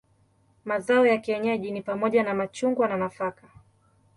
Mazao ya kienyeji ni pamoja na machungwa na nafaka.